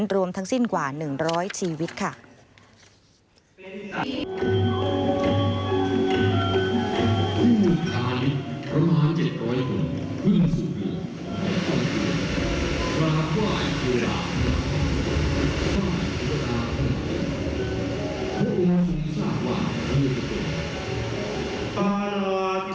ขอบพระองค์สมาธิยามิ